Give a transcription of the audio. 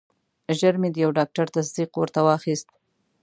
ژر مې د یو ډاکټر تصدیق ورته واخیست.